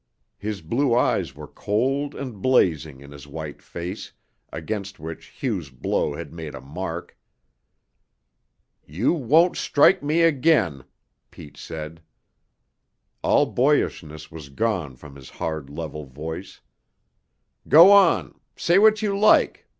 His blue eyes were cold and blazing in his white face, against which Hugh's blow had made a mark. "You won't strike me again," Pete said. All boyishness was gone from his hard, level voice. "Go on. Say what you like.